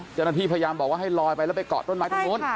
เจ้าหน้าที่พยายามบอกว่าให้ลอยไปแล้วไปเกาะต้นไม้ตรงนู้น